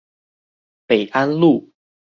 北安路